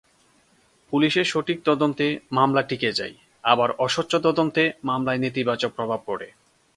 পুলিশের সঠিক তদন্তে মামলা টিকে যায়, আবার অস্বচ্ছ তদন্তে মামলায় নেতিবাচক প্রভাব পড়ে।